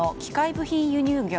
部品輸入業